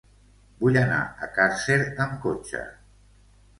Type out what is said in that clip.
Vull anar a Càrcer amb cotxe.